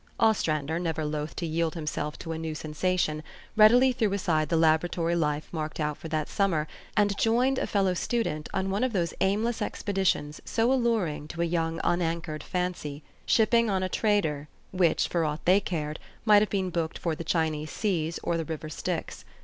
Ostrander, never loath to yield himself to a new sen sation, readily threw aside the laboratory life marked out for that summer, and joined a fellow student on one of those aimless expeditions so alluring to a young, unanchored fancy, shipping on a trader, which, for aught they cared, might have been booked for the Chinese Seas or the River St}^x.